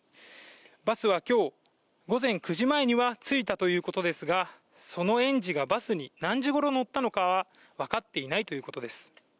バスは今日、午前９時前にはついたということですがその園児がバスに何時ごろ乗ったのかは分かっていないということです。